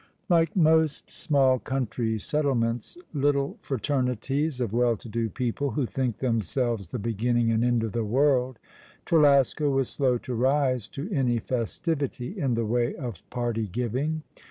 " Like most small country settlements, little fraternities of well to do people who think themselves the beginning and end of the world, Trelasco was slow to rise to any festivity in the way of party giving.